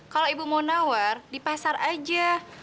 kalau ibu mau nawar di pasar aja